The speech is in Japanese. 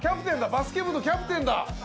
バスケ部のキャプテンだ。